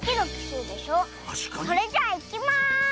それじゃあいきます！